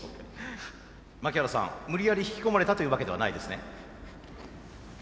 槙原さん無理やり引き込まれたというわけではないですね？